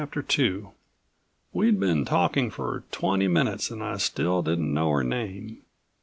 2 We'd been talking for twenty minutes and I still didn't know her name.